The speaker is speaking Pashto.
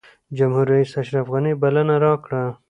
جمهورریس اشرف غني بلنه راکړه.